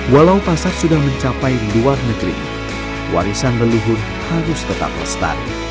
walau pasar sudah mencapai luar negeri warisan leluhur harus tetap lestari